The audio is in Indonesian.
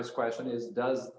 yang kedua adalah